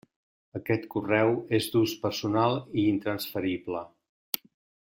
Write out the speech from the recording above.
Aquest correu és d'ús personal i intransferible.